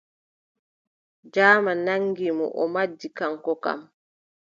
Jaaman naŋgi mo, o majji kaŋko kam.